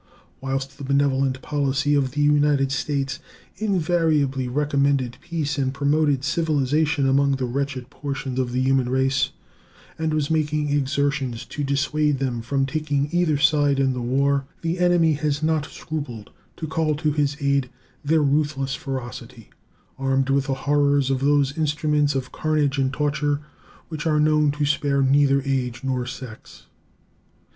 Whilst the benevolent policy of the United States invariably recommended peace and promoted civilization among that wretched portion of the human race, and was making exertions to dissuade them from taking either side in the war, the enemy has not scrupled to call to his aid their ruthless ferocity, armed with the horrors of those instruments of carnage and torture which are known to spare neither age nor sex.